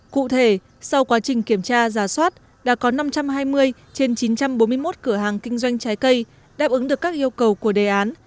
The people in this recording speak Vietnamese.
cụ thể sau quá trình kiểm tra giả soát đã có năm trăm hai mươi trên chín trăm bốn mươi một cửa hàng kinh doanh trái cây đáp ứng được các yêu cầu của đề án